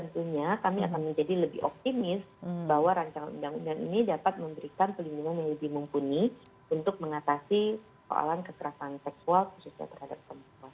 tentunya kami akan menjadi lebih optimis bahwa rancangan undang undang ini dapat memberikan pelindungan yang lebih mumpuni untuk mengatasi soalan kekerasan seksual khususnya terhadap perempuan